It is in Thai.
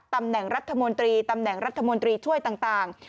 ตำแหน่งรัฐมนตรีตำแหน่งรัฐมนตรีช่วยต่าง